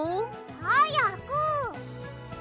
はやく。